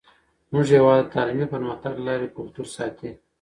زموږ هیواد د تعلیمي پرمختګ له لارې د کلتور ساتئ.